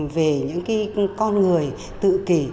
về những cái con người tự kỷ